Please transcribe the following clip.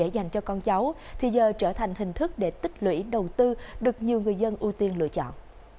dành cho con cháu thì giờ trở thành hình thức để tích lũy đầu tư được nhiều người dân ưu tiên lựa chọn